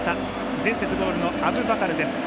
前節ゴールのアブバカルです。